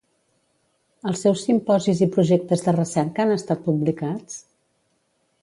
Els seus simposis i projectes de recerca han estat publicats?